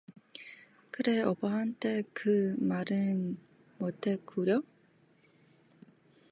그래 오빠한테 그 말은 못했구려?